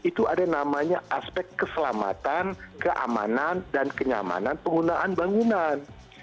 itu ada namanya aspek keselamatan keamanan dan kenyamanan penggunaan bangunan